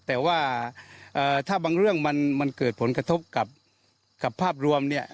แต่ว่าถ้าบางเรื่องมันเกิดผลกระทบกับภาพรวมเนี่ย